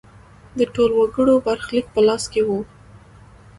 د ټولو وګړو برخلیک په لاس کې و.